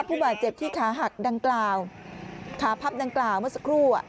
ผู้บาดเจ็บที่ขาหักดังกล่าวขาพับดังกล่าวเมื่อสักครู่